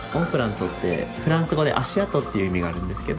とってフランス語で足跡っていう意味があるんですけど